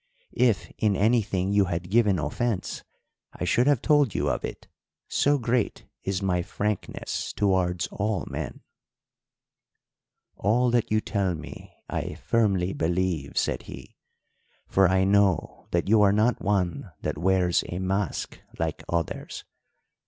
If in anything you had given offence I should have told you of it, so great is my frankness towards all men.' "'All that you tell me I firmly believe,' said he, 'for I know that you are not one that wears a mask like others.